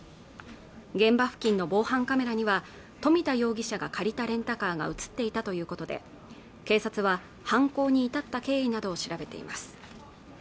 現場付近の防犯カメラには冨田容疑者が借りたレンタカーが映っていたということで警察は犯行に至った経緯などを調べています